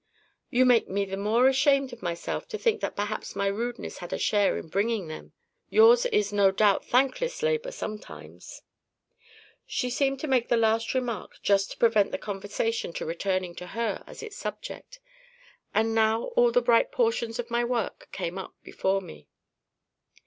"You make me the more ashamed of myself to think that perhaps my rudeness had a share in bringing them.—Yours is no doubt thankless labour sometimes." She seemed to make the last remark just to prevent the conversation from returning to her as its subject. And now all the bright portions of my work came up before me.